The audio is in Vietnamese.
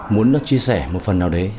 muốn nó chia sẻ một phần nào đấy